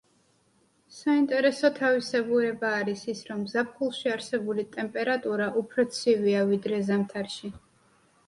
საინტერესო თავისებურება არის ის, რომ ზაფხულში არსებული ტემპერატურა უფრო ცივია ვიდრე ზამთარში.